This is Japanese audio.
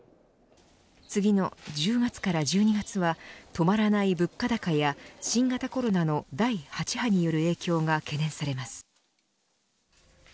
次の１０月から１２月は止まらない物価高や新型コロナの第８波による影響が懸念されます。